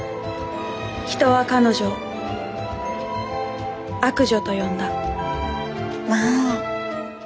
人は彼女を悪女と呼んだまああ。